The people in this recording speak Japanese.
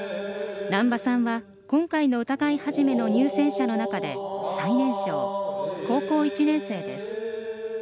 難波さんは今回の歌会始の入選者の中で最年少高校１年生です。